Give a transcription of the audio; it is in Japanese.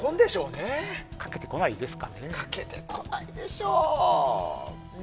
かけてこないでしょうね。